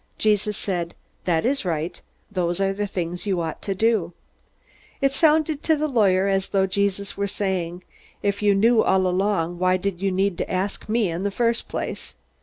'" Jesus said: "That is right. Those are the things you ought to do." It sounded to the lawyer as though Jesus were saying, "If you knew all along, why did you need to ask me in the first place?"